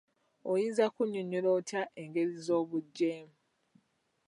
Oyinza kunnyonnyola otya engeri z'obuggyeemu?